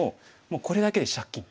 これだけで借金。